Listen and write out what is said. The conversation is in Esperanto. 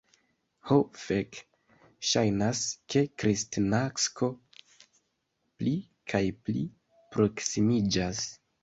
Ho fek, ŝajnas ke Kristnasko pli kaj pli proksimiĝas.